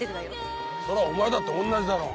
それはお前だって同じだろうが。